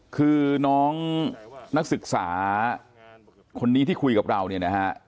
คือน้องนักศึกษาคนนี้ที่คุยกับเราเนี่ยนะฮะ